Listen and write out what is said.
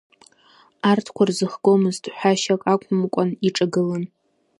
Арҭқәа рзыхгомызт, ҳәашьак ақәымкәан иҿагылан.